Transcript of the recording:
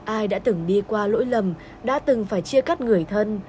ai đã từng đi qua lỗi lầm đã từng phải chia cắt người thân